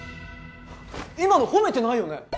今の褒めてないよね？